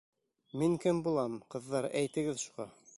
Мин «кем» булам, ҡыҙҙар, әйтегеҙ шуға.